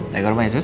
baik rumahnya sus